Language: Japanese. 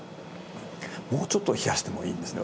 もうちょっと冷やしてもいいですね